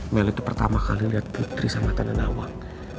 mel itu pertama kali liat putri sama tante nawang